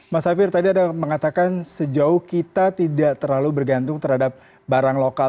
mas safir tadi ada mengatakan sejauh kita tidak terlalu bergantung terhadap barang lokal